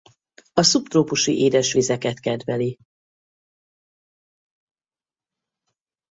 A szubtrópusi édesvizeket kedveli.